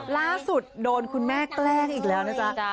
ล่าสุดโดนคุณแม่แกล้งอีกแล้วนะจ๊ะ